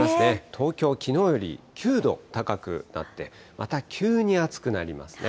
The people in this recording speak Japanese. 東京、きのうより９度高くなって、また急に暑くなりますね。